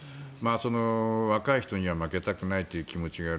若い人には負けたくないという気持ちがある。